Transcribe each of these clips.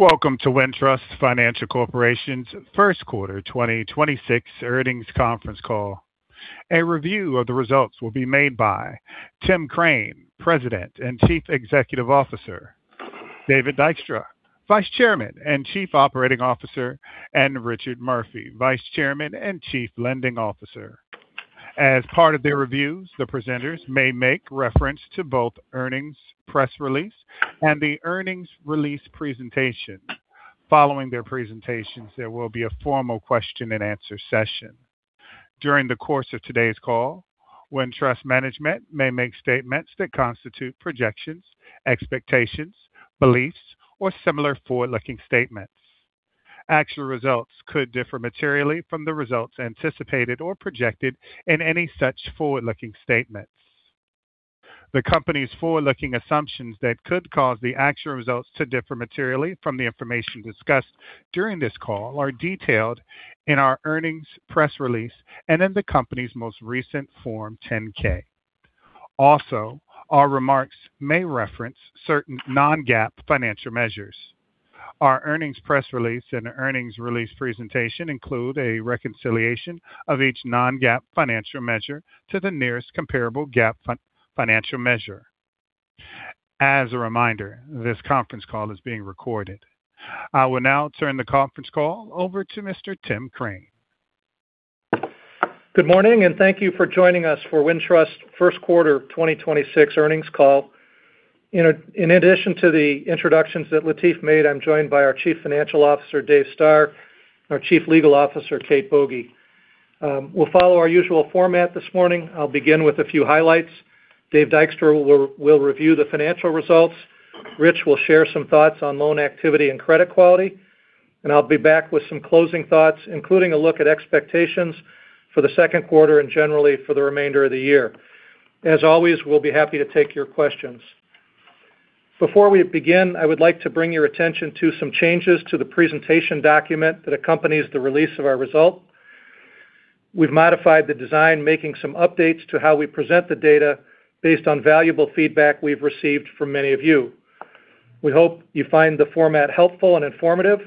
Welcome to Wintrust Financial Corporation's first quarter 2026 earnings conference call. A review of the results will be made by Tim Crane, President and Chief Executive Officer, David Dykstra, Vice Chairman and Chief Operating Officer, and Richard Murphy, Vice Chairman and Chief Lending Officer. As part of their reviews, the presenters may make reference to both earnings press release and the earnings release presentation. Following their presentations, there will be a formal question-and-answer session. During the course of today's call, Wintrust management may make statements that constitute projections, expectations, beliefs, or similar forward-looking statements. Actual results could differ materially from the results anticipated or projected in any such forward-looking statements. The company's forward-looking assumptions that could cause the actual results to differ materially from the information discussed during this call are detailed in our earnings press release and in the company's most recent Form 10-K. Also, our remarks may reference certain non-GAAP financial measures. Our earnings press release and earnings release presentation include a reconciliation of each non-GAAP financial measure to the nearest comparable GAAP financial measure. As a reminder, this conference call is being recorded. I will now turn the conference call over to Mr. Tim Crane. Good morning, and thank you for joining us for Wintrust first quarter 2026 earnings call. In addition to the introductions that Latif made, I'm joined by our Chief Financial Officer, Dave Stoehr, and our Chief Legal Officer, Kate Boege. We'll follow our usual format this morning. I'll begin with a few highlights. Dave Dykstra will review the financial results. Rich will share some thoughts on loan activity and credit quality, and I'll be back with some closing thoughts, including a look at expectations for the second quarter and generally for the remainder of the year. As always, we'll be happy to take your questions. Before we begin, I would like to bring your attention to some changes to the presentation document that accompanies the release of our results. We've modified the design, making some updates to how we present the data based on valuable feedback we've received from many of you. We hope you find the format helpful and informative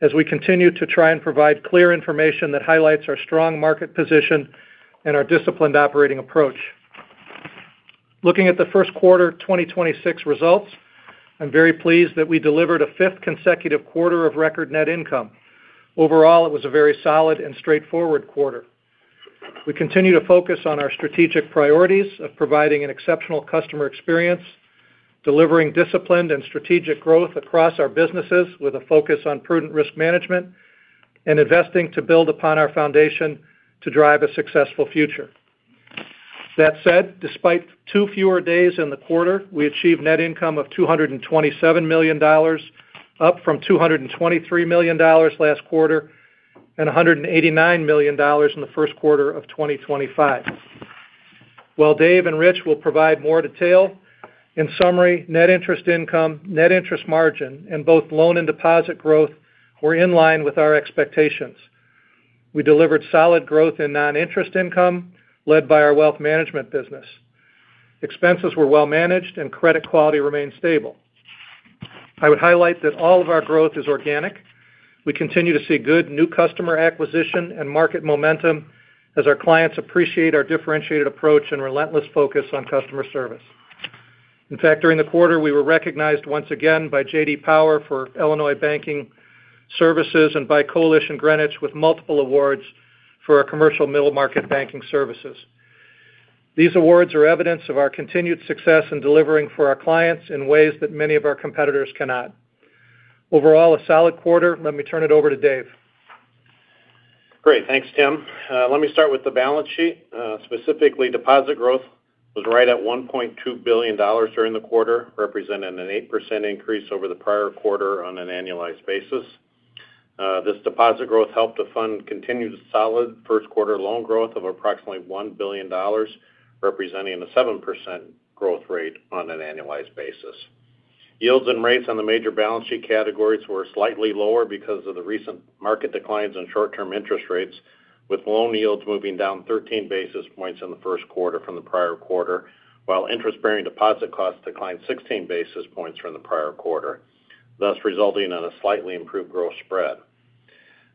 as we continue to try and provide clear information that highlights our strong market position and our disciplined operating approach. Looking at the first quarter 2026 results, I'm very pleased that we delivered a fifth consecutive quarter of record net income. Overall, it was a very solid and straightforward quarter. We continue to focus on our strategic priorities of providing an exceptional customer experience, delivering disciplined and strategic growth across our businesses with a focus on prudent risk management, and investing to build upon our foundation to drive a successful future. That said, despite two fewer days in the quarter, we achieved net income of $227 million, up from $223 million last quarter and $189 million in the first quarter of 2025. While Dave and Rich will provide more detail, in summary, net interest income, net interest margin, and both loan and deposit growth were in line with our expectations. We delivered solid growth in non-interest income led by our Wealth Management business. Expenses were well managed and credit quality remained stable. I would highlight that all of our growth is organic. We continue to see good new customer acquisition and market momentum as our clients appreciate our differentiated approach and relentless focus on customer service. In fact, during the quarter, we were recognized once again by J.D. Power for Illinois banking services and by Coalition Greenwich with multiple awards for our commercial middle-market banking services. These awards are evidence of our continued success in delivering for our clients in ways that many of our competitors cannot. Overall, a solid quarter. Let me turn it over to Dave. Great. Thanks, Tim. Let me start with the balance sheet. Specifically, deposit growth was right at $1.2 billion during the quarter, representing an 8% increase over the prior quarter on an annualized basis. This deposit growth helped to fund continued solid first quarter loan growth of approximately $1 billion, representing a 7% growth rate on an annualized basis. Yields and rates on the major balance sheet categories were slightly lower because of the recent market declines in short-term interest rates, with loan yields moving down 13 basis points in the first quarter from the prior quarter, while interest-bearing deposit costs declined 16 basis points from the prior quarter, thus resulting in a slightly improved gross spread.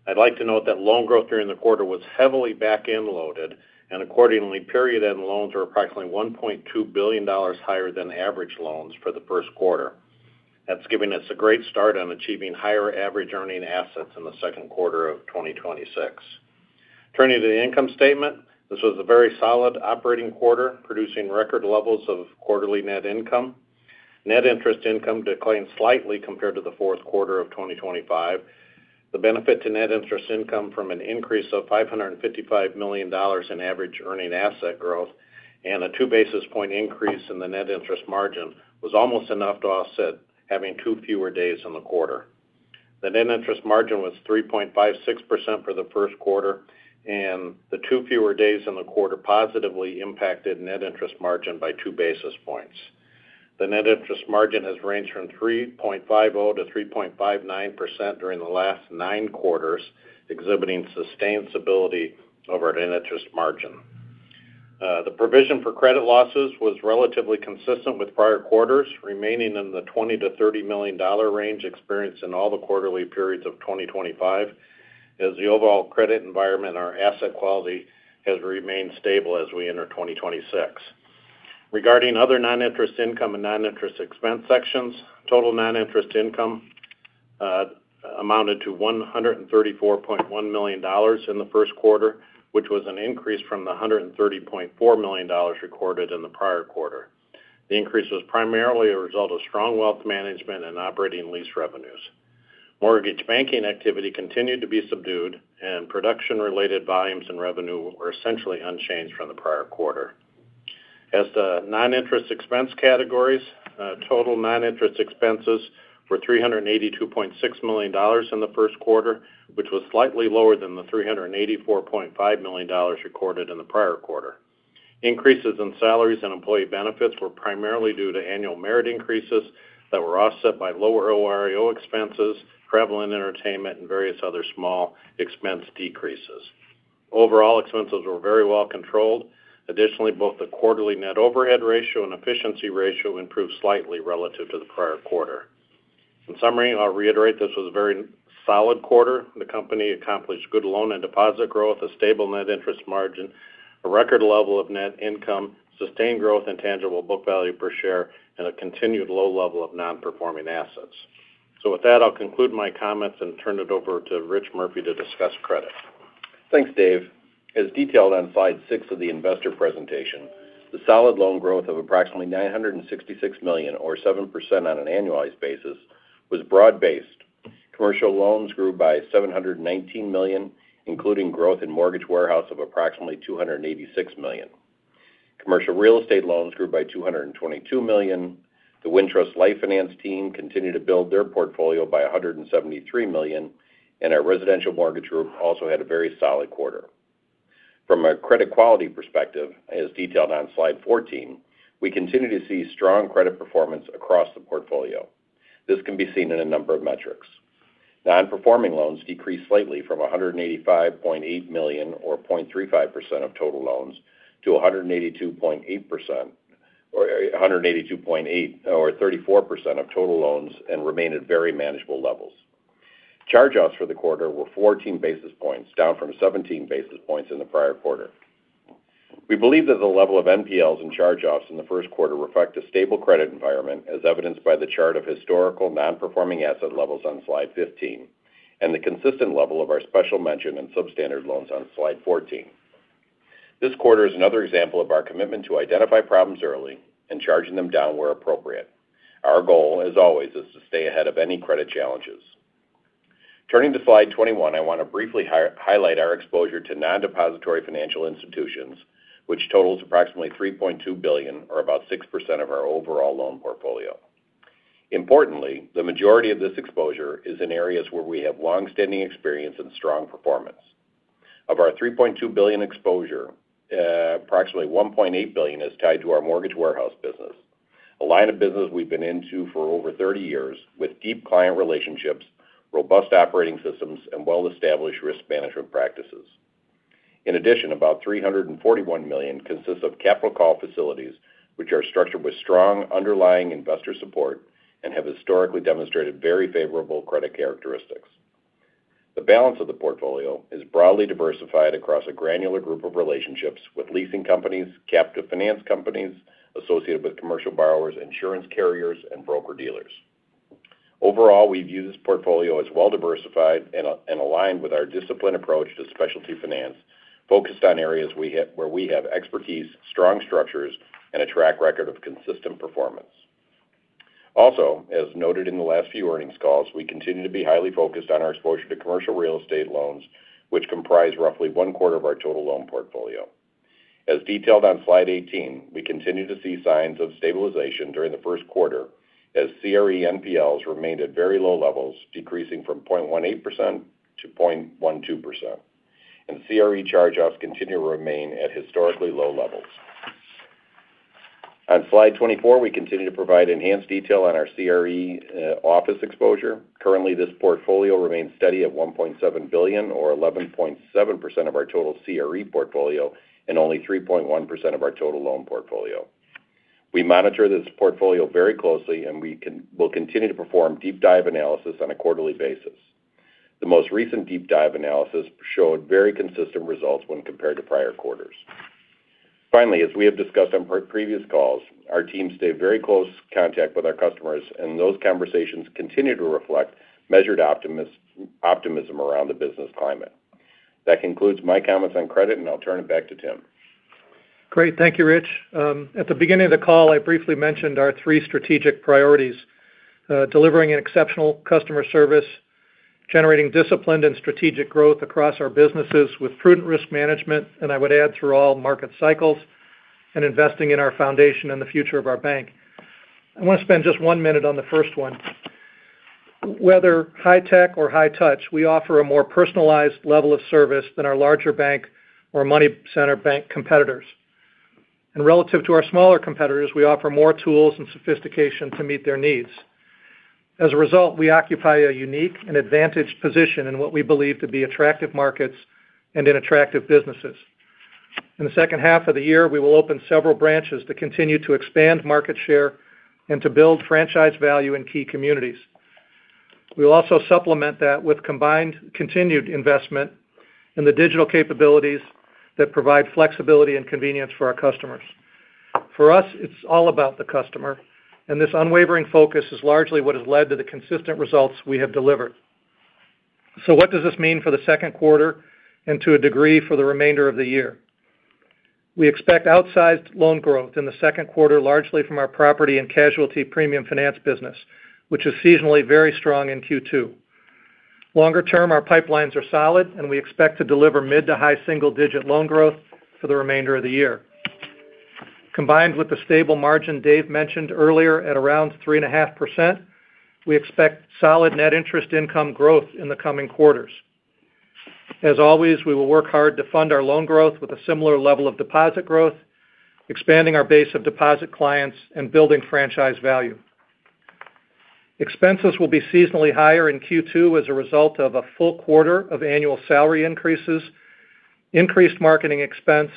I'd like to note that loan growth during the quarter was heavily back-end loaded and accordingly, period-end loans were approximately $1.2 billion higher than average loans for the first quarter. That's giving us a great start on achieving higher average earning assets in the second quarter of 2026. Turning to the income statement, this was a very solid operating quarter, producing record levels of quarterly net income. Net interest income declined slightly compared to the fourth quarter of 2025. The benefit to net interest income from an increase of $555 million in average earning asset growth and a 2 basis points increase in the net interest margin was almost enough to offset having two fewer days in the quarter. The net interest margin was 3.56% for the first quarter, and the two fewer days in the quarter positively impacted net interest margin by 2 basis points. The net interest margin has ranged from 3.50%-3.59% during the last nine quarters, exhibiting sustainability of our net interest margin. The provision for credit losses was relatively consistent with prior quarters, remaining in the $20 million-$30 million range experienced in all the quarterly periods of 2025. As the overall credit environment, our asset quality has remained stable as we enter 2026. Regarding other non-interest income and non-interest expense sections, total non-interest income amounted to $134.1 million in the first quarter, which was an increase from the $130.4 million recorded in the prior quarter. The increase was primarily a result of strong wealth management and operating lease revenues. Mortgage banking activity continued to be subdued, and production-related volumes and revenue were essentially unchanged from the prior quarter. As the non-interest expense categories, total non-interest expenses were $382.6 million in the first quarter, which was slightly lower than the $384.5 million recorded in the prior quarter. Increases in salaries and employee benefits were primarily due to annual merit increases that were offset by lower OREO expenses, travel and entertainment, and various other small expense decreases. Overall expenses were very well controlled. Additionally, both the quarterly net overhead ratio and efficiency ratio improved slightly relative to the prior quarter. In summary, I'll reiterate this was a very solid quarter. The company accomplished good loan and deposit growth, a stable net interest margin, a record level of net income, sustained growth in tangible book value per share, and a continued low level of non-performing assets. With that, I'll conclude my comments and turn it over to Richard Murphy to discuss credit. Thanks, Dave. As detailed on slide six of the investor presentation, the solid loan growth of approximately $966 million, or 7% on an annualized basis, was broad-based. Commercial loans grew by $719 million, including growth in Mortgage Warehouse of approximately $286 million. Commercial real estate loans grew by $222 million. The Wintrust Life Finance team continued to build their portfolio by $173 million, and our residential mortgage group also had a very solid quarter. From a credit quality perspective, as detailed on slide 14, we continue to see strong credit performance across the portfolio. This can be seen in a number of metrics. Non-performing loans decreased slightly from $185.8 million, or 0.35% of total loans, to $182.8 million, or 0.34% of total loans, and remain at very manageable levels. Charge-offs for the quarter were 14 basis points, down from 17 basis points in the prior quarter. We believe that the level of NPLs and charge-offs in the first quarter reflect a stable credit environment, as evidenced by the chart of historical non-performing asset levels on slide 15 and the consistent level of our special mention in substandard loans on slide 14. This quarter is another example of our commitment to identify problems early and charging them down where appropriate. Our goal, as always, is to stay ahead of any credit challenges. Turning to slide 21, I want to briefly highlight our exposure to non-depository financial institutions, which totals approximately $3.2 billion or about 6% of our overall loan portfolio. Importantly, the majority of this exposure is in areas where we have long-standing experience and strong performance. Of our $3.2 billion exposure, approximately $1.8 billion is tied to our Mortgage Warehouse business, a line of business we've been into for over 30 years with deep client relationships, robust operating systems, and well-established risk management practices. In addition, about $341 million consists of capital call facilities, which are structured with strong underlying investor support and have historically demonstrated very favorable credit characteristics. The balance of the portfolio is broadly diversified across a granular group of relationships with leasing companies, captive finance companies associated with commercial borrowers, insurance carriers, and broker-dealers. Overall, we view this portfolio as well-diversified and aligned with our disciplined approach to specialty finance, focused on areas where we have expertise, strong structures, and a track record of consistent performance. As noted in the last few earnings calls, we continue to be highly focused on our exposure to commercial real estate loans, which comprise roughly one-quarter of our total loan portfolio. As detailed on slide 18, we continue to see signs of stabilization during the first quarter as CRE NPLs remained at very low levels, decreasing from 0.18% to 0.12%, and CRE charge-offs continue to remain at historically low levels. On slide 24, we continue to provide enhanced detail on our CRE office exposure. Currently, this portfolio remains steady at $1.7 billion or 11.7% of our total CRE portfolio and only 3.1% of our total loan portfolio. We monitor this portfolio very closely and we will continue to perform deep dive analysis on a quarterly basis. The most recent deep dive analysis showed very consistent results when compared to prior quarters. Finally, as we have discussed on previous calls, our teams stay in very close contact with our customers, and those conversations continue to reflect measured optimism around the business climate. That concludes my comments on credit, and I'll turn it back to Tim. Great. Thank you, Rich. At the beginning of the call, I briefly mentioned our three strategic priorities: delivering exceptional customer service, generating disciplined and strategic growth across our businesses with prudent risk management, and I would add through all market cycles, and investing in our foundation and the future of our bank. I want to spend just one minute on the first one. Whether high tech or high touch, we offer a more personalized level of service than our larger bank or money center bank competitors. Relative to our smaller competitors, we offer more tools and sophistication to meet their needs. As a result, we occupy a unique and advantaged position in what we believe to be attractive markets and in attractive businesses. In the second half of the year, we will open several branches to continue to expand market share and to build franchise value in key communities. We'll also supplement that with combined continued investment in the digital capabilities that provide flexibility and convenience for our customers. For us, it's all about the customer, and this unwavering focus is largely what has led to the consistent results we have delivered. What does this mean for the second quarter and to a degree, for the remainder of the year? We expect outsized loan growth in the second quarter, largely from our Property and Casualty Premium Finance business, which is seasonally very strong in Q2. Longer term, our pipelines are solid, and we expect to deliver mid- to high-single-digit loan growth for the remainder of the year. Combined with the stable margin Dave mentioned earlier at around 3.5%, we expect solid net interest income growth in the coming quarters. As always, we will work hard to fund our loan growth with a similar level of deposit growth, expanding our base of deposit clients and building franchise value. Expenses will be seasonally higher in Q2 as a result of a full quarter of annual salary increases, increased marketing expense,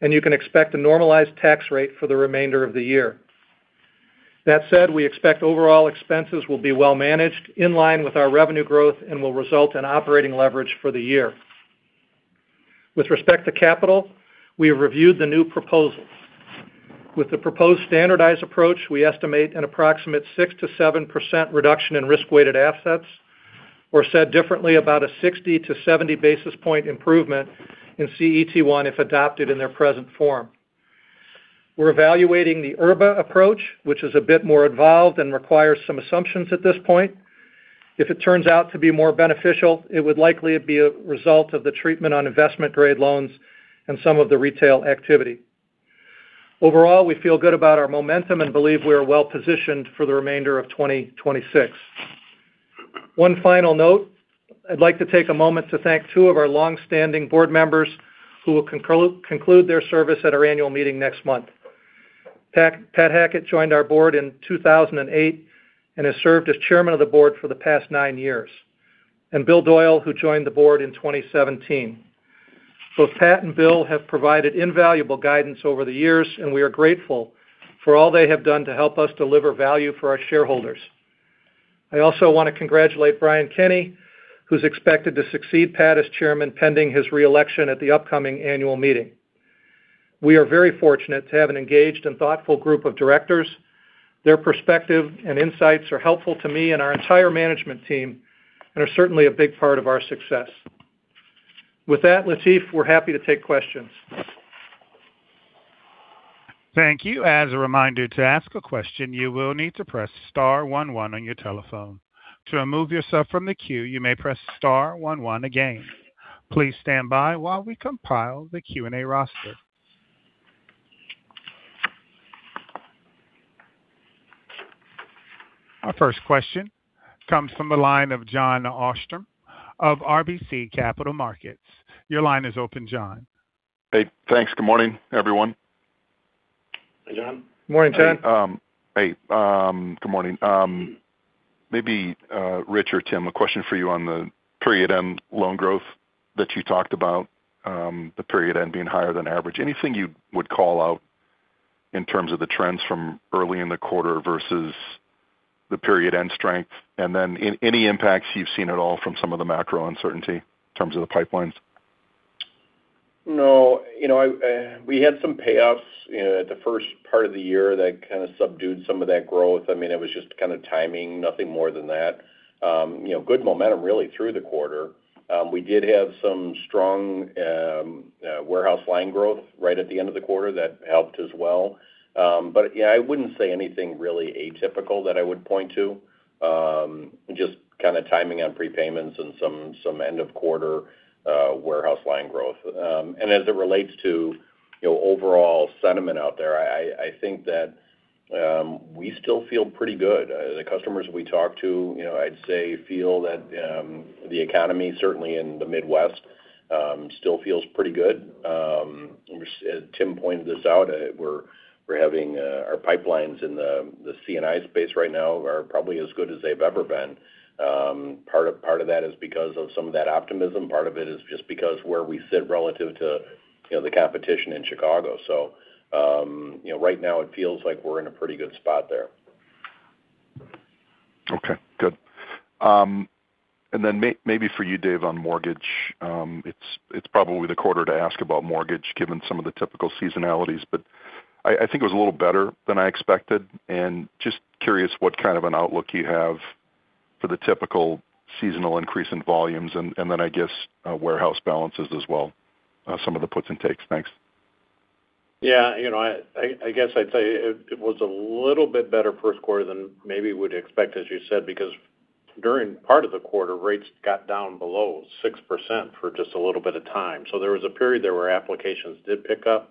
and you can expect a normalized tax rate for the remainder of the year. That said, we expect overall expenses will be well managed in line with our revenue growth and will result in operating leverage for the year. With respect to capital, we have reviewed the new proposals. With the proposed standardized approach, we estimate an approximate 6%-7% reduction in risk-weighted assets, or said differently, about a 60-70 basis points improvement in CET1 if adopted in their present form. We're evaluating the IRBA approach, which is a bit more involved and requires some assumptions at this point. If it turns out to be more beneficial, it would likely be a result of the treatment on investment-grade loans and some of the retail activity. Overall, we feel good about our momentum and believe we are well positioned for the remainder of 2026. One final note. I'd like to take a moment to thank two of our longstanding board members who will conclude their service at our annual meeting next month. Pat Hackett joined our board in 2008 and has served as Chairman of the Board for the past nine years. Bill Doyle, who joined the board in 2017. Both Pat and Bill have provided invaluable guidance over the years, and we are grateful for all they have done to help us deliver value for our shareholders. I also want to congratulate Brian Kinney, who's expected to succeed Pat as Chairman pending his re-election at the upcoming annual meeting. We are very fortunate to have an engaged and thoughtful group of directors. Their perspective and insights are helpful to me and our entire management team and are certainly a big part of our success. With that, Latif, we're happy to take questions. Thank you. As a reminder, to ask a question, you will need to press star one one on your telephone. To remove yourself from the queue, you may press star one one again. Please stand by while we compile the Q&A roster. Our first question comes from the line of Jon Arfstrom of RBC Capital Markets. Your line is open, Jon. Hey, thanks. Good morning, everyone. Hey, Jon. Morning, Jon. Hey, good morning. Maybe Rich or Tim, a question for you on the period-end loan growth that you talked about, the period end being higher than average. Anything you would call out in terms of the trends from early in the quarter versus the period end strength? And then any impacts you've seen at all from some of the macro uncertainty in terms of the pipelines? No. We had some payoffs at the first part of the year that kind of subdued some of that growth. It was just kind of timing, nothing more than that. Good momentum really through the quarter. We did have some strong warehouse line growth right at the end of the quarter that helped as well. Yeah, I wouldn't say anything really atypical that I would point to. Just kind of timing on prepayments and some end of quarter warehouse line growth. As it relates to overall sentiment out there, I think that we still feel pretty good. The customers we talk to, I'd say feel that the economy, certainly in the Midwest, still feels pretty good. Tim pointed this out. Our pipelines in the C&I space right now are probably as good as they've ever been. Part of that is because of some of that optimism. Part of it is just because where we sit relative to the competition in Chicago. Right now it feels like we're in a pretty good spot there. Okay, good. Maybe for you, Dave, on mortgage. It's probably the quarter to ask about mortgage given some of the typical seasonalities. I think it was a little better than I expected. Just curious what kind of an outlook you have for the typical seasonal increase in volumes and then I guess warehouse balances as well. Some of the puts and takes. Thanks. Yeah. I guess I'd say it was a little bit better first quarter than maybe we'd expect, as you said, because during part of the quarter, rates got down below 6% for just a little bit of time. There was a period there where applications did pick up,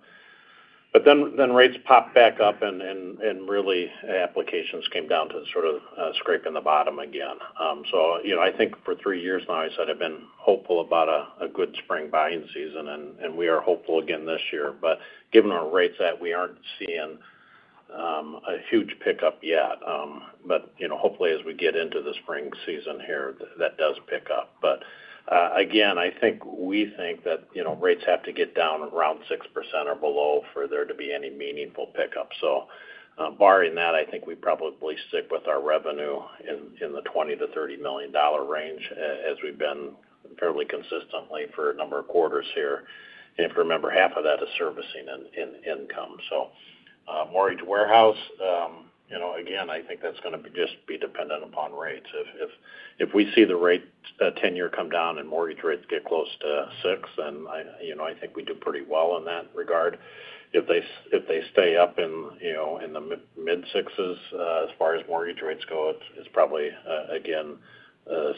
but then rates popped back up and really applications came down to sort of scraping the bottom again. I think for three years now, I said I've been hopeful about a good spring buying season, and we are hopeful again this year. Given our rates that we aren't seeing No huge pickup yet. Hopefully, as we get into the spring season here, that does pick up. Again, we think that rates have to get down around 6% or below for there to be any meaningful pickup. Barring that, I think we probably stick with our revenue in the $20 million-$30 million range as we've been fairly consistently for a number of quarters here. If you remember, half of that is servicing income. Mortgage Warehouse, again, I think that's going to just be dependent upon rates. If we see the 10-year rate come down and mortgage rates get close to 6, then I think we do pretty well in that regard. If they stay up in the mid 6s as far as mortgage rates go, it's probably, again,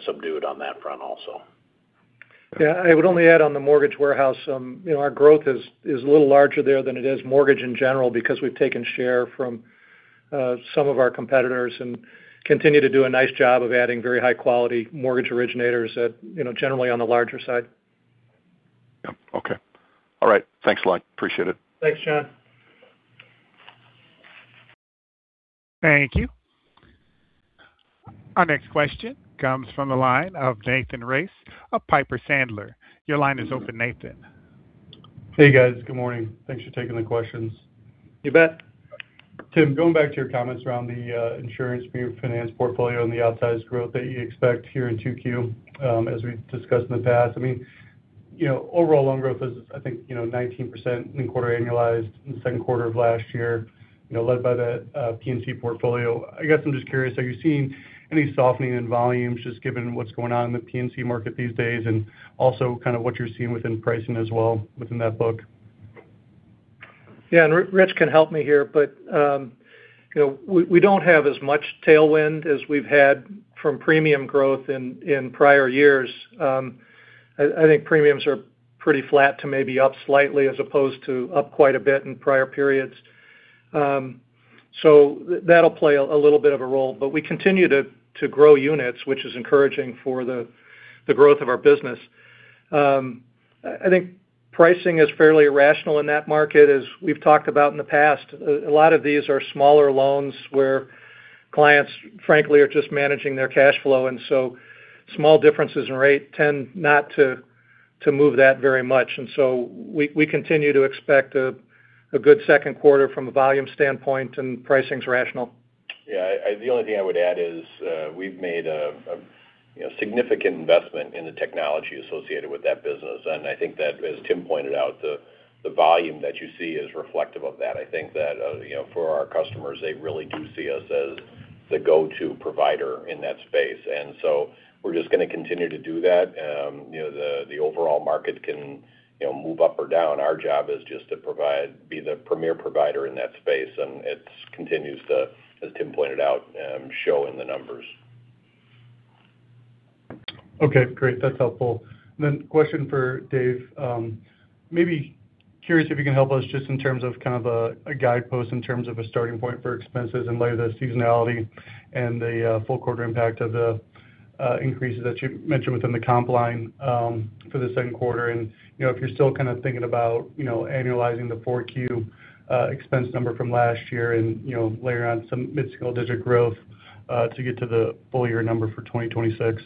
subdued on that front also. Yeah, I would only add on the Mortgage Warehouse, our growth is a little larger there than it is mortgage in general because we've taken share from some of our competitors and continue to do a nice job of adding very high-quality mortgage originators, generally on the larger side. Yep. Okay. All right. Thanks a lot. Appreciate it. Thanks, Jon. Thank you. Our next question comes from the line of Nathan Race of Piper Sandler. Your line is open, Nathan. Hey, guys. Good morning. Thanks for taking the questions. You bet. Tim, going back to your comments around the insurance premium finance portfolio and the outsized growth that you expect here in 2Q, as we've discussed in the past, overall loan growth is, I think, 19% in quarter annualized in the second quarter of last year, led by that P&C portfolio. I guess I'm just curious, are you seeing any softening in volumes just given what's going on in the P&C market these days, and also kind of what you're seeing within pricing as well within that book? Yeah, Rich can help me here, but we don't have as much tailwind as we've had from premium growth in prior years. I think premiums are pretty flat to maybe up slightly as opposed to up quite a bit in prior periods. That'll play a little bit of a role, but we continue to grow units, which is encouraging for the growth of our business. I think pricing is fairly irrational in that market. As we've talked about in the past, a lot of these are smaller loans where clients, frankly, are just managing their cash flow, and so small differences in rate tend not to move that very much. We continue to expect a good second quarter from a volume standpoint, and pricing's rational. Yeah. The only thing I would add is, we've made a significant investment in the technology associated with that business. I think that, as Tim pointed out, the volume that you see is reflective of that. I think that for our customers, they really do see us as the go-to provider in that space. We're just going to continue to do that. The overall market can move up or down. Our job is just to be the premier provider in that space, and it continues to, as Tim pointed out, show in the numbers. Okay, great. That's helpful. Then question for Dave. Maybe curious if you can help us just in terms of kind of a guidepost in terms of a starting point for expenses in light of the seasonality and the full quarter impact of the increases that you mentioned within the comp line for the second quarter, and if you're still kind of thinking about annualizing the 4Q expense number from last year and layer on some mid-single digit growth to get to the full-year number for 2026?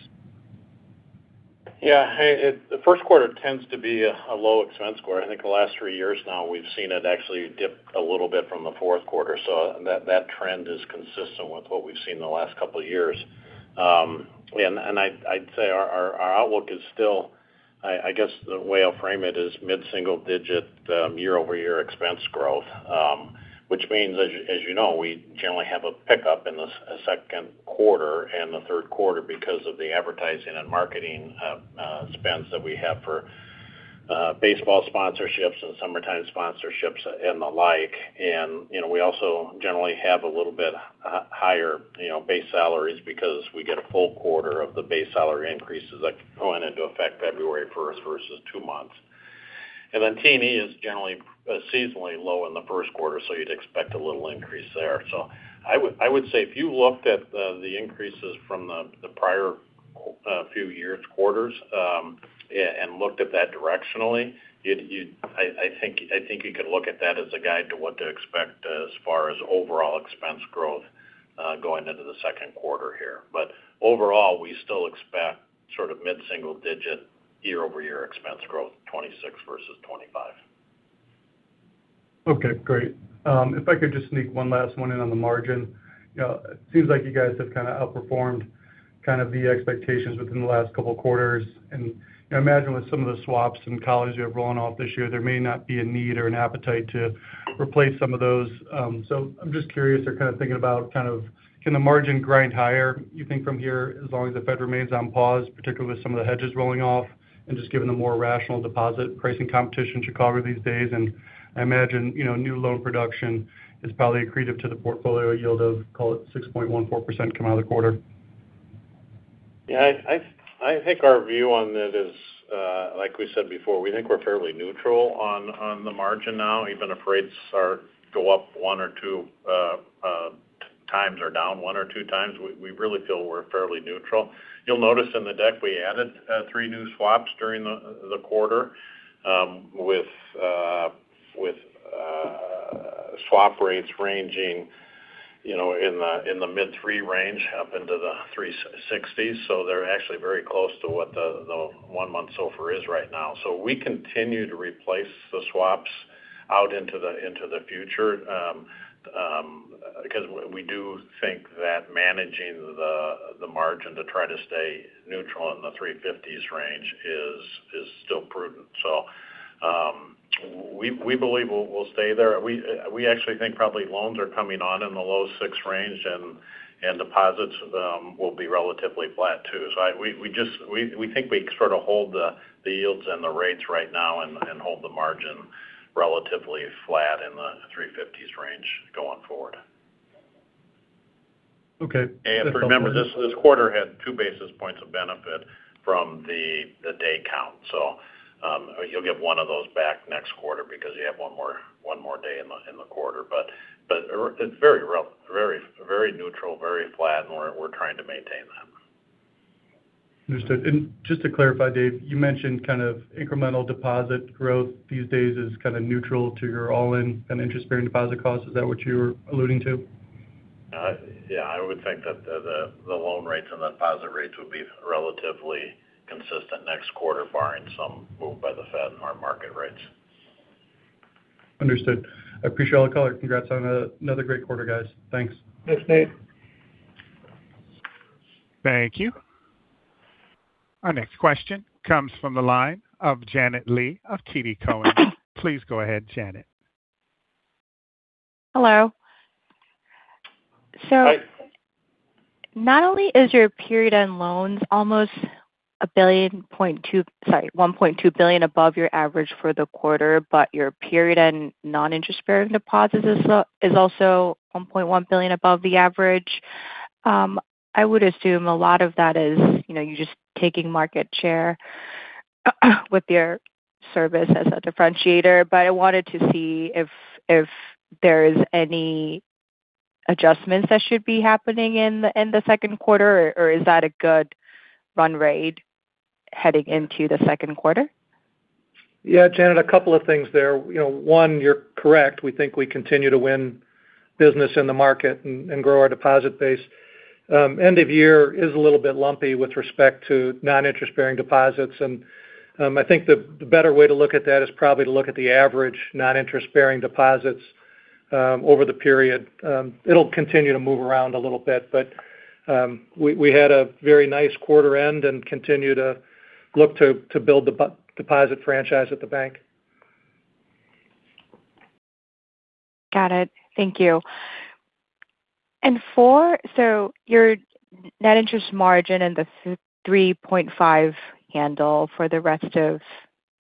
Yeah. Hey, the first quarter tends to be a low expense quarter. I think the last three years now, we've seen it actually dip a little bit from the fourth quarter. That trend is consistent with what we've seen in the last couple of years. I'd say our outlook is still, I guess the way I'll frame it is mid-single digit year-over-year expense growth, which means, as you know, we generally have a pickup in the second quarter and the third quarter because of the advertising and marketing spends that we have for baseball sponsorships and summertime sponsorships and the like. We also generally have a little bit higher base salaries because we get a full quarter of the base salary increases going into effect February 1st versus two months. Then T&E is generally seasonally low in the first quarter, so you'd expect a little increase there. I would say if you looked at the increases from the prior few years' quarters, and looked at that directionally, I think you could look at that as a guide to what to expect as far as overall expense growth going into the second quarter here. Overall, we still expect sort of mid-single digit year-over-year expense growth, 2026 versus 2025. Okay, great. If I could just sneak one last one in on the margin. It seems like you guys have kind of outperformed the expectations within the last couple of quarters. I imagine with some of the swaps and collars you have rolling off this year, there may not be a need or an appetite to replace some of those. I'm just curious or kind of thinking about kind of can the margin grind higher you think from here, as long as the Fed remains on pause, particularly with some of the hedges rolling off and just given the more rational deposit pricing competition in Chicago these days? I imagine new loan production is probably accretive to the portfolio yield of, call it 6.14% coming out of the quarter. Yeah, I think our view on it is, like we said before, we think we're fairly neutral on the margin now, even if rates go up 1 or 2x or down 1 or 2x. We really feel we're fairly neutral. You'll notice in the deck, we added 3 new swaps during the quarter with swap rates ranging in the mid-3% range up into the 3.60s. They're actually very close to what the one-month SOFR is right now. We continue to replace the swaps out into the future because we do think that managing the margin to try to stay neutral in the 3.50s range is still prudent. We believe we'll stay there. We actually think probably loans are coming on in the low-6% range and deposits will be relatively flat too. We think we sort of hold the yields and the rates right now and hold the margin relatively flat in the 3.50s% range going forward. Okay. Remember, this quarter had 2 basis points of benefit from the day count. You'll get one of those back next quarter because you have one more day in the quarter. It's very neutral, very flat, and we're trying to maintain that. Understood. Just to clarify, Dave, you mentioned incremental deposit growth these days is kind of neutral to your all-in and interest-bearing deposit costs. Is that what you were alluding to? Yeah, I would think that the loan rates and the deposit rates will be relatively consistent next quarter, barring some move by the Fed in our market rates. Understood. I appreciate all the color. Congrats on another great quarter, guys. Thanks. Thanks, Nate. Thank you. Our next question comes from the line of Janet Lee of TD Cowen. Please go ahead, Janet. Hello. Not only is your period end loans almost $1.2 billion above your average for the quarter, but your period end non-interest-bearing deposits is also $1.1 billion above the average. I would assume a lot of that is you're just taking market share with your service as a differentiator. I wanted to see if there is any adjustments that should be happening in the second quarter or is that a good run rate heading into the second quarter? Yeah, Janet, a couple of things there. One, you're correct. We think we continue to win business in the market and grow our deposit base. End of year is a little bit lumpy with respect to non-interest-bearing deposits. I think the better way to look at that is probably to look at the average non-interest-bearing deposits over the period. It'll continue to move around a little bit, but we had a very nice quarter end and continue to look to build the deposit franchise at the bank. Got it. Thank you. Four, so your net interest margin and the 3.5% handle for the rest of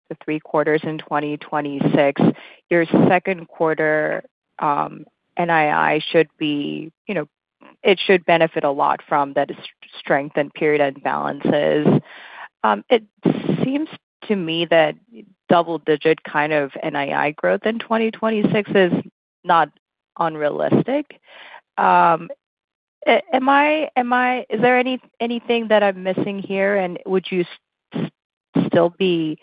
the three quarters in 2026. Your second quarter NII, it should benefit a lot from that strength and period-end balances. It seems to me that double-digit% kind of NII growth in 2026 is not unrealistic. Is there anything that I'm missing here? Would you still be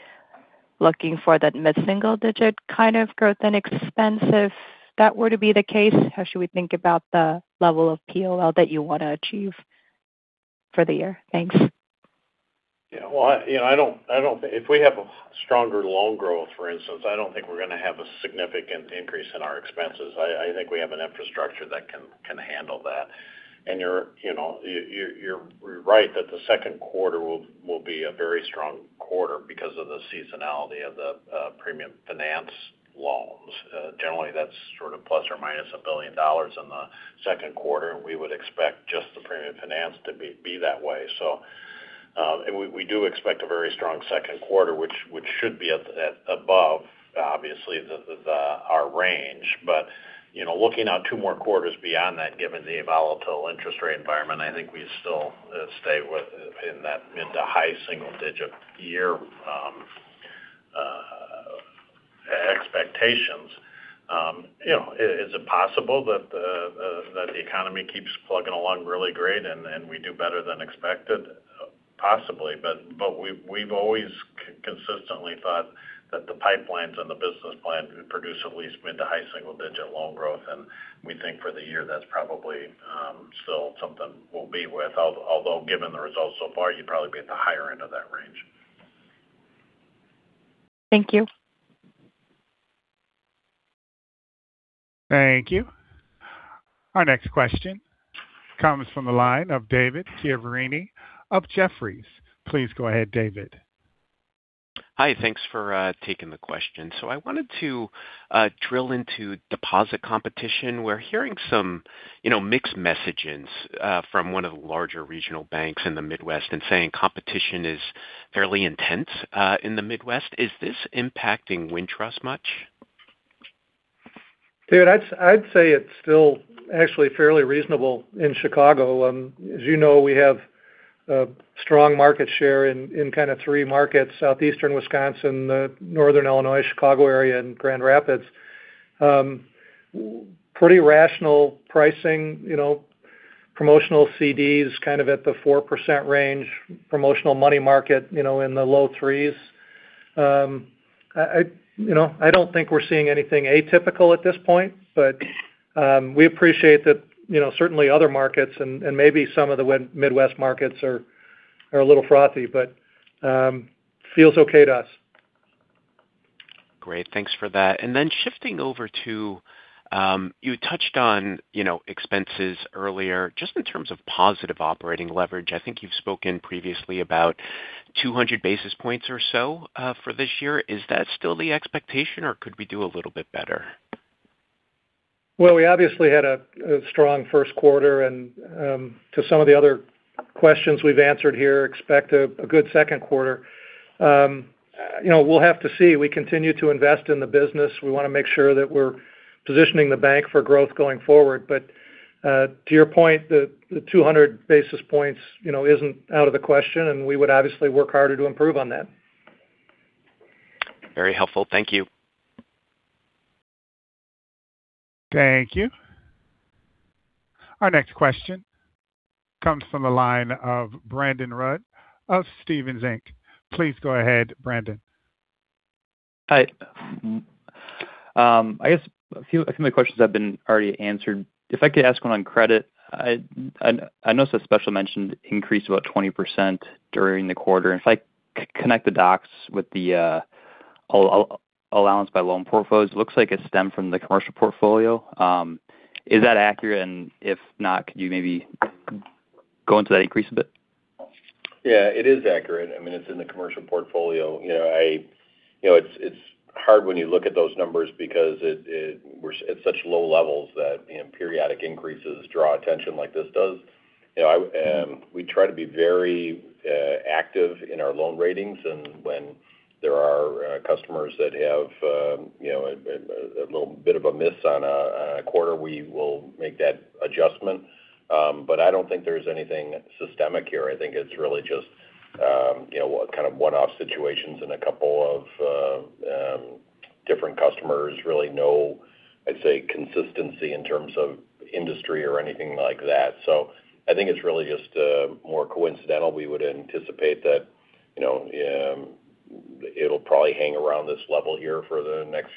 looking for that mid-single-digit% kind of growth in expense if that were to be the case? How should we think about the level of PLL that you want to achieve for the year? Thanks. Yeah. If we have a stronger loan growth, for instance, I don't think we're going to have a significant increase in our expenses. I think we have an infrastructure that can handle that. You're right that the second quarter will be a very strong quarter because of the seasonality of the premium finance loans. Generally, that's sort of plus or minus $1 billion in the second quarter. We would expect just the premium finance to be that way. We do expect a very strong second quarter, which should be above, obviously our range. Looking out two more quarters beyond that, given the volatile interest rate environment, I think we still stay within that mid- to high-single-digit year expectations. Is it possible that the economy keeps plugging along really great and we do better than expected? Possibly, but we've always consistently thought that the pipelines and the business plan would produce at least mid- to high-single-digit loan growth. We think for the year, that's probably still something we'll be with. Although, given the results so far, you'd probably be at the higher end of that range. Thank you. Thank you. Our next question comes from the line of David Chiaverini of Jefferies. Please go ahead, David. Hi, thanks for taking the question. I wanted to drill into deposit competition. We're hearing some mixed messages from one of the larger regional banks in the Midwest and saying competition is fairly intense in the Midwest. Is this impacting Wintrust much? David, I'd say it's still actually fairly reasonable in Chicago. As you know, we have a strong market share in kind of three markets, Southeastern Wisconsin, Northern Illinois, Chicago area, and Grand Rapids. Pretty rational pricing. Promotional CDs kind of at the 4% range, promotional money market in the low 3s. I don't think we're seeing anything atypical at this point. We appreciate that certainly other markets and maybe some of the Midwest markets are a little frothy, but feels okay to us. Great, thanks for that. Shifting over to, you touched on expenses earlier. Just in terms of positive operating leverage, I think you've spoken previously about 200 basis points or so for this year. Is that still the expectation, or could we do a little bit better? Well, we obviously had a strong first quarter and, to some of the other questions we've answered here, expect a good second quarter. We'll have to see. We continue to invest in the business. We want to make sure that we're positioning the bank for growth going forward. To your point, the 200 basis points isn't out of the question, and we would obviously work harder to improve on that. Very helpful. Thank you. Thank you. Our next question comes from the line of Brandon Rud of Stephens Inc. Please go ahead, Brandon. Hi. I guess a few of my questions have been already answered. If I could ask one on credit. I notice the special mention increased about 20% during the quarter. If I connect the dots with the allowance by loan portfolios, it looks like it stemmed from the commercial portfolio. Is that accurate? If not, could you maybe go into that increase a bit? Yeah, it is accurate. It's in the commercial portfolio. It's hard when you look at those numbers because it's such low levels that periodic increases draw attention like this does. We try to be very active in our loan ratings and when there are customers that have a little bit of a miss on a quarter, we will make that adjustment. I don't think there's anything systemic here. I think it's really just kind of one-off situations and a couple of different customers, really no, I'd say, consistency in terms of industry or anything like that. I think it's really just more coincidental. We would anticipate that it'll probably hang around this level here for the next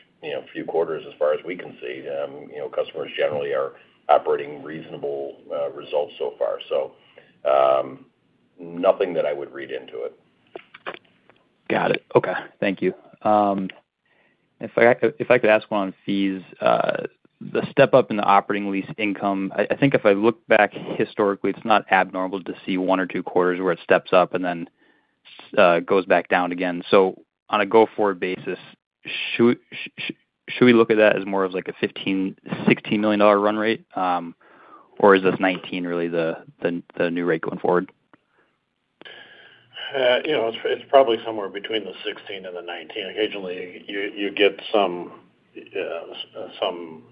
few quarters as far as we can see. Customers generally are operating reasonable results so far. Nothing that I would read into it. Got it. Okay. Thank you. If I could ask one on fees. The step-up in the operating lease income. I think if I look back historically, it's not abnormal to see one or two quarters where it steps up and then goes back down again. On a go-forward basis, should we look at that as more of like a $15 million, $16 million run rate? Or is this $19 million really the new rate going forward? It's probably somewhere between the 16% and the 19%. Occasionally, you get some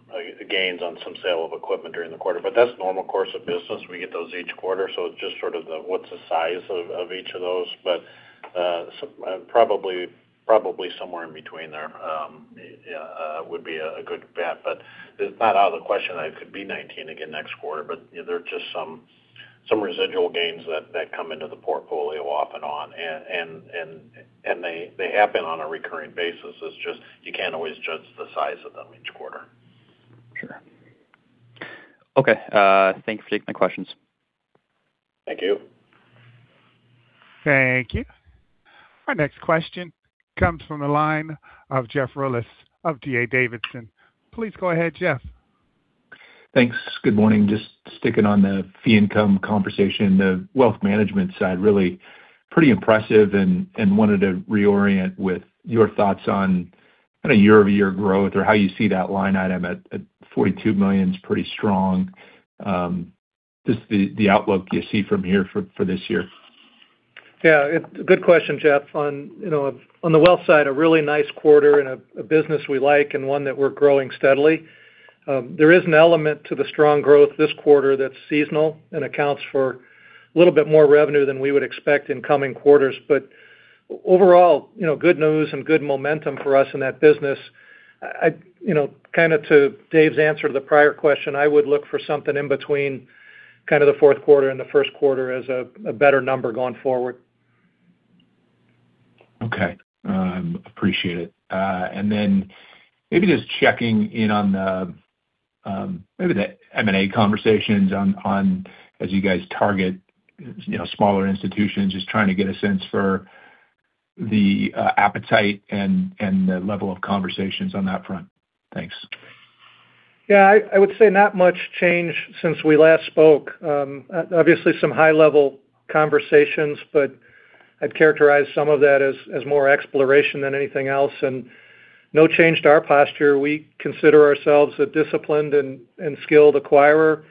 gains on some sale of equipment during the quarter. That's normal course of business. We get those each quarter. It's just sort of what's the size of each of those. Probably somewhere in between there would be a good bet. It's not out of the question that it could be 19% again next quarter, but there are just some residual gains that come into the portfolio off and on, and they have been on a recurring basis. It's just, you can't always judge the size of them each quarter. Sure. Okay. Thanks for taking my questions. Thank you. Thank you. Our next question comes from the line of Jeffrey Rulis of D.A. Davidson. Please go ahead, Jeff. Thanks. Good morning. Just sticking on the fee income conversation, the Wealth Management side, really pretty impressive and wanted to reorient with your thoughts on kind of year-over-year growth or how you see that line item at $42 million is pretty strong. Just the outlook you see from here for this year. Yeah. Good question, Jeff. On the Wealth side, a really nice quarter and a business we like and one that we're growing steadily. There is an element to the strong growth this quarter that's seasonal and accounts for a little bit more revenue than we would expect in coming quarters. But overall, good news and good momentum for us in that business. Kind of to Dave's answer to the prior question, I would look for something in between kind of the fourth quarter and the first quarter as a better number going forward. Okay. Appreciate it. Maybe just checking in on the M&A conversations as you guys target smaller institutions. Just trying to get a sense for the appetite and the level of conversations on that front. Thanks. Yeah, I would say not much change since we last spoke. Obviously some high-level conversations, but I'd characterize some of that as more exploration than anything else, and no change to our posture. We consider ourselves a disciplined and skilled acquirer.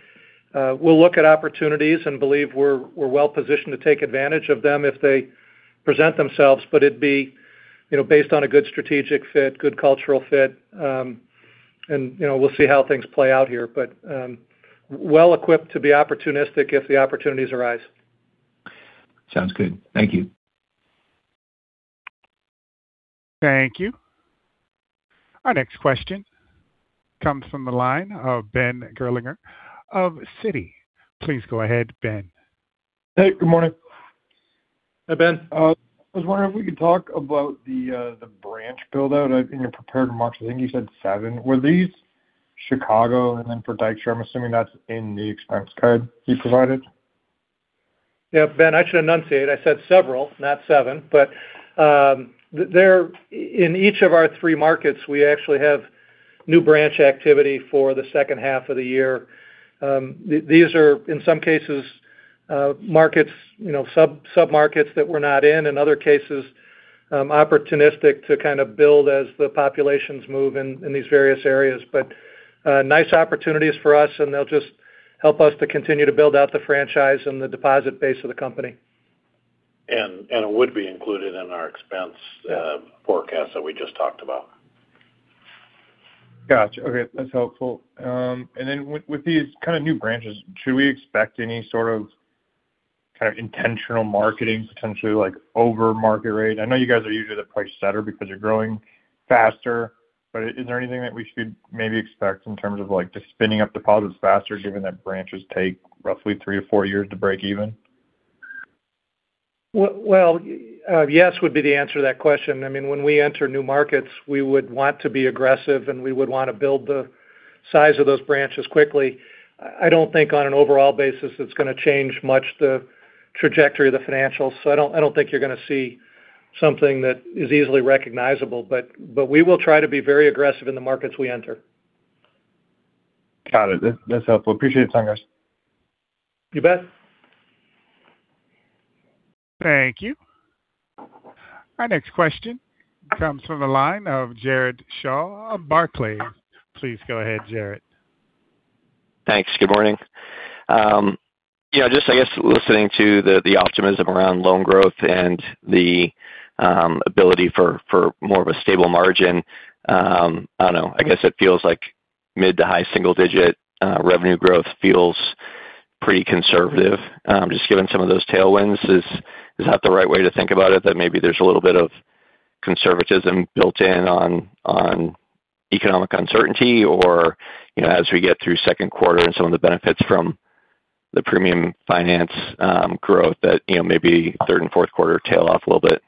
We'll look at opportunities and believe we're well positioned to take advantage of them if they present themselves, but it'd be based on a good strategic fit, good cultural fit, and we'll see how things play out here. Well-equipped to be opportunistic if the opportunities arise. Sounds good. Thank you. Thank you. Our next question comes from the line of Benjamin Gerlinger of Citi. Please go ahead, Ben. Hey, good morning. Hi, Ben. I was wondering if we could talk about the branch build-out in your prepared remarks. I think you said seven. Were these Chicago and then for Dykstra, I'm assuming that's in the expense guide you provided? Yeah, Ben, I should enunciate. I said several, not seven. In each of our three markets, we actually have new branch activity for the second half of the year. These are, in some cases, sub-markets that we're not in. In other cases, opportunistic to kind of build as the populations move in these various areas. Nice opportunities for us, and they'll just help us to continue to build out the franchise and the deposit base of the company. It would be included in our expense forecast that we just talked about. Got you. Okay. That's helpful. With these kind of new branches, should we expect any sort of intentional marketing, potentially like over market rate? I know you guys are usually the price setter because you're growing faster, but is there anything that we should maybe expect in terms of just spinning up deposits faster, given that branches take roughly three or four years to break even? Well, yes would be the answer to that question. When we enter new markets, we would want to be aggressive, and we would want to build the size of those branches quickly. I don't think on an overall basis, it's going to change much the trajectory of the financials. I don't think you're going to see something that is easily recognizable. We will try to be very aggressive in the markets we enter. Got it. That's helpful. Appreciate it, Crane. You bet. Thank you. Our next question comes from the line of Jared Shaw of Barclays. Please go ahead, Jared. Thanks. Good morning. Just, I guess, listening to the optimism around loan growth and the ability for more of a stable margin. I don't know. I guess it feels like mid- to high single-digit revenue growth feels pretty conservative. Just given some of those tailwinds, is that the right way to think about it? That maybe there's a little bit of conservatism built in on economic uncertainty or as we get through second quarter and some of the benefits from the premium finance growth that maybe third and fourth quarter tail off a little bit?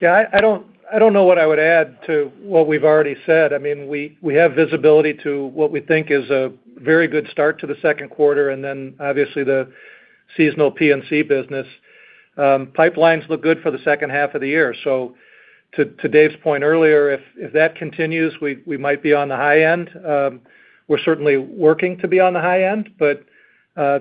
Yeah. I don't know what I would add to what we've already said. We have visibility to what we think is a very good start to the second quarter, and then obviously the seasonal P&C business. Pipelines look good for the second half of the year. To Dave's point earlier, if that continues, we might be on the high end. We're certainly working to be on the high end, but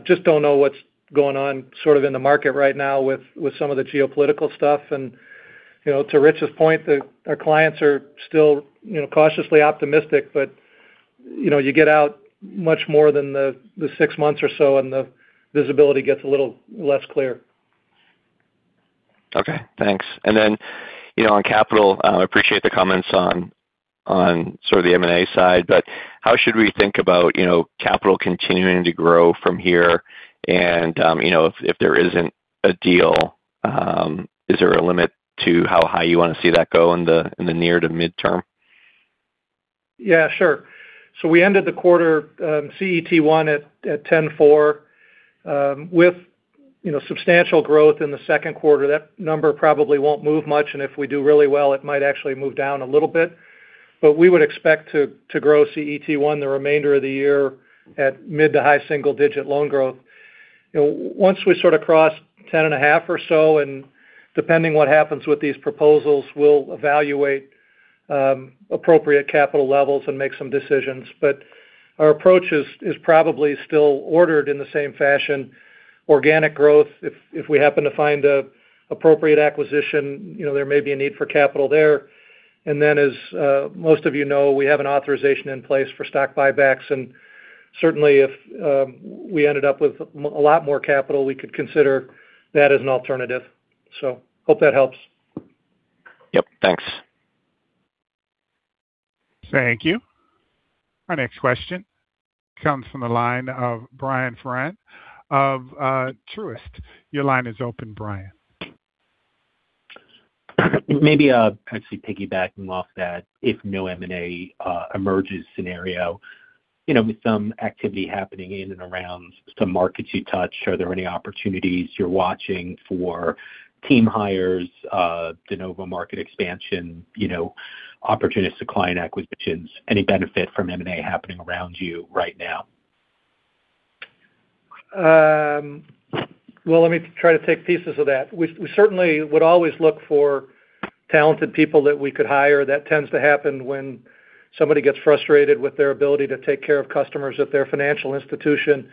just don't know what's going on sort of in the market right now with some of the geopolitical stuff. To Rich's point, our clients are still cautiously optimistic, but you get out much more than the six months or so, and the visibility gets a little less clear. Okay, thanks. Then on capital, I appreciate the comments on sort of the M&A side, but how should we think about capital continuing to grow from here? If there isn't a deal, is there a limit to how high you want to see that go in the near to midterm? Yeah, sure. We ended the quarter CET1 at 10.4. With substantial growth in the second quarter, that number probably won't move much, and if we do really well, it might actually move down a little bit. We would expect to grow CET1 the remainder of the year at mid- to high-single-digit% loan growth. Once we sort of cross 10.5 or so, and depending what happens with these proposals, we'll evaluate appropriate capital levels and make some decisions. Our approach is probably still ordered in the same fashion. Organic growth, if we happen to find appropriate acquisition, there may be a need for capital there. Then as most of you know, we have an authorization in place for stock buybacks, and certainly if we ended up with a lot more capital, we could consider that as an alternative. Hope that helps. Yep, thanks. Thank you. Our next question comes from the line of Brian Foran of Truist. Your line is open, Brian. Maybe actually piggybacking off that if no M&A emerges scenario. With some activity happening in and around some markets you touch, are there any opportunities you're watching for team hires, de novo market expansion, opportunistic client acquisitions? Any benefit from M&A happening around you right now? Well, let me try to take pieces of that. We certainly would always look for talented people that we could hire. That tends to happen when somebody gets frustrated with their ability to take care of customers at their financial institution.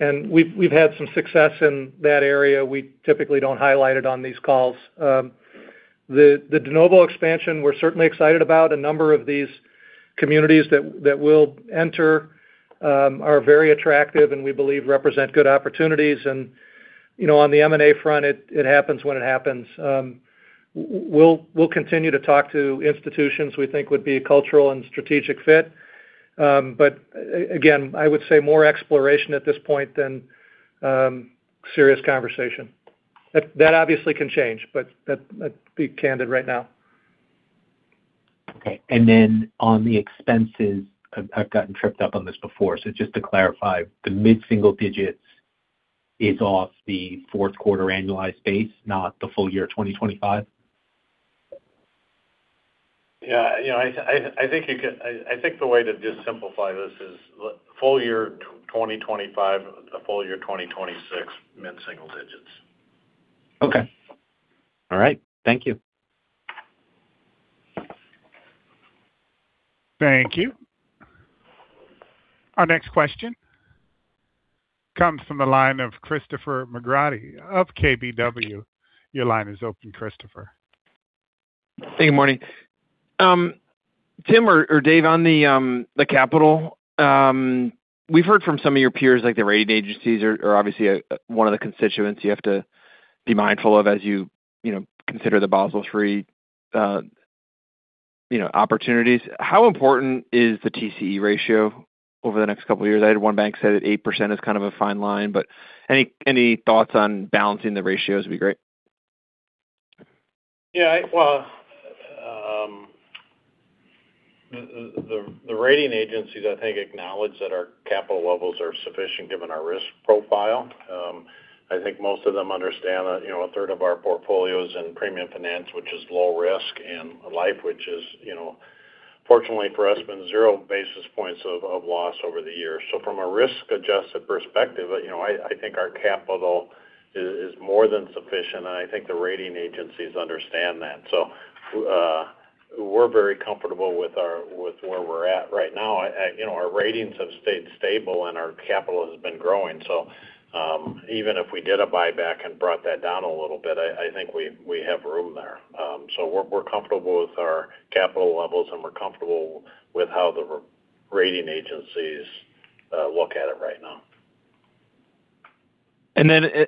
We've had some success in that area. We typically don't highlight it on these calls. The de novo expansion, we're certainly excited about a number of these. Communities that we'll enter are very attractive, and we believe represent good opportunities. On the M&A front, it happens when it happens. We'll continue to talk to institutions we think would be a cultural and strategic fit. Again, I would say more exploration at this point than serious conversation. That obviously can change, but that'd be candid right now. Okay. Then on the expenses, I've gotten tripped up on this before, so just to clarify, the mid-single digits is off the fourth quarter annualized base, not the full year 2025? Yeah. I think the way to just simplify this is full year 2025, full year 2026, mid-single digits. Okay. All right. Thank you. Thank you. Our next question comes from the line of Christopher McGratty of KBW. Your line is open, Christopher. Good morning. Tim or Dave, on the capital, we've heard from some of your peers, like the rating agencies are obviously one of the constituents you have to be mindful of as you consider the Basel III opportunities. How important is the TCE ratio over the next couple of years? I had one bank say that 8% is kind of a fine line, but any thoughts on balancing the ratios would be great. Yeah. Well, the rating agencies, I think, acknowledge that our capital levels are sufficient given our risk profile. I think most of them understand that a third of our portfolio is in premium finance, which is low risk, and life, which is fortunately for us, been zero basis points of loss over the years. From a risk-adjusted perspective, I think our capital is more than sufficient, and I think the rating agencies understand that. We're very comfortable with where we're at right now. Our ratings have stayed stable, and our capital has been growing. Even if we did a buyback and brought that down a little bit, I think we have room there. We're comfortable with our capital levels, and we're comfortable with how the rating agencies look at it right now.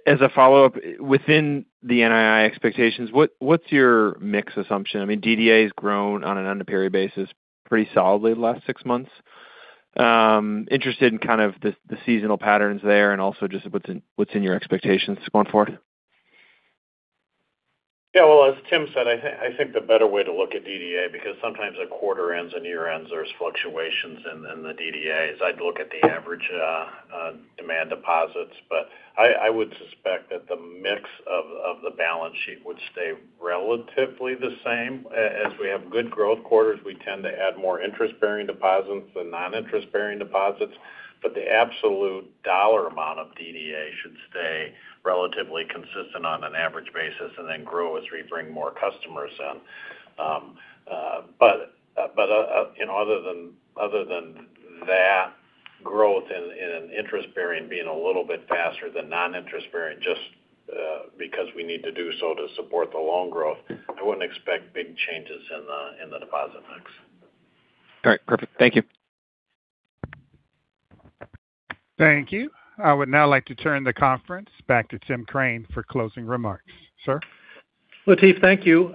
As a follow-up, within the NII expectations, what's your mix assumption? I mean, DDA has grown on a year-over-year basis pretty solidly the last six months. I'm interested in kind of the seasonal patterns there and also just what's in your expectations going forward. Yeah. Well, as Tim said, I think the better way to look at DDA, because sometimes at quarter ends and year ends, there's fluctuations in the DDAs. I'd look at the average demand deposits. I would suspect that the mix of the balance sheet would stay relatively the same. As we have good growth quarters, we tend to add more interest-bearing deposits than non-interest-bearing deposits, but the absolute dollar amount of DDA should stay relatively consistent on an average basis and then grow as we bring more customers in. Other than that growth in an interest-bearing being a little bit faster than non-interest-bearing just because we need to do so to support the loan growth, I wouldn't expect big changes in the deposit mix. All right. Perfect. Thank you. Thank you. I would now like to turn the conference back to Tim Crane for closing remarks. Sir? Latif, thank you.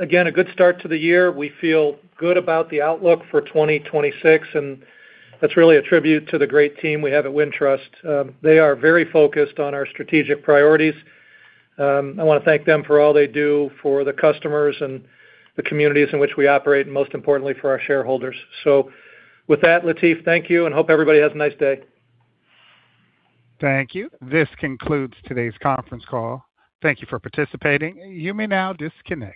Again, a good start to the year. We feel good about the outlook for 2026, and that's really a tribute to the great team we have at Wintrust. They are very focused on our strategic priorities. I want to thank them for all they do for the customers and the communities in which we operate, and most importantly, for our shareholders. With that Latif, thank you, and I hope everybody has a nice day. Thank you. This concludes today's conference call. Thank you for participating. You may now disconnect.